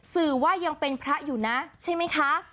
สื่อว่ายังเป็นพระอยู่นะใช่ไหมคะ